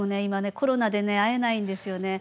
コロナでね会えないんですよね。